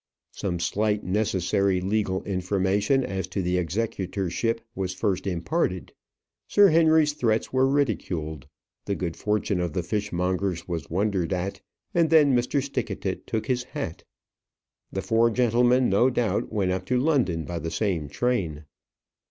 Some slight, necessary legal information as to the executorship was first imparted; Sir Henry's threats were ridiculed; the good fortune of the fishmongers was wondered at, and then Mr. Stickatit took his hat. The four gentlemen no doubt went up to London by the same train.